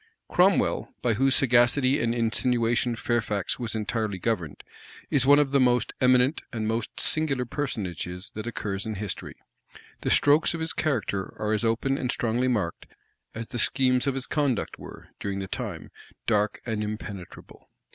Cromwell, by whose sagacity and insinuation Fairfax was entirely governed, is one of the most eminent and most singular personages that occurs in history: the strokes of his character are as open and strongly marked, as the schemes of his conduct were, during the time, dark and impenetrable.